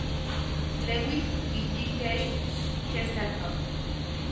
Lewis y G. K. Chesterton.